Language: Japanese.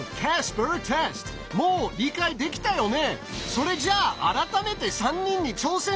それじゃあ改めて３人に挑戦してもらうよ！